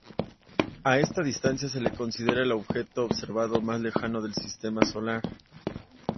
A esta distancia se le considera el objeto observado más lejano del sistema solar.